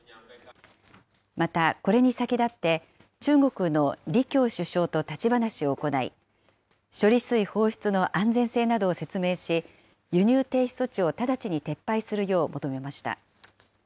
また、これに先立って、中国の李強首相と立ち話を行い、処理水放出の安全性などを説明し、輸入停止措置を直ちに撤廃するよう求めました。